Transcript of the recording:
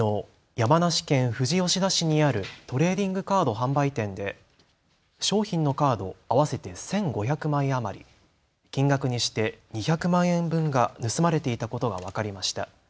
山梨県富士吉田市にあるトレーディングカード販売店で商品のカード合わせて１５００枚余り、金額にして２００万円分が盗まれていたことが分かりました。